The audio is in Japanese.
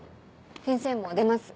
先生も出ます？